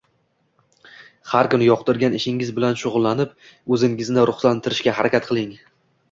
Har kuni yoqtirgan ishingiz bilan shug’ullanib, o’zingizni ruhlantirishga harakat qiling